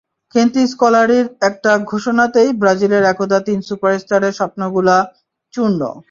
কিন্তু স্কলারির একটা ঘোষণাতেই ব্রাজিলের একদা তিন সুপারস্টারের স্বপ্নগুলো হলো চূর্ণ।